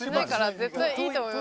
絶対いいと思います。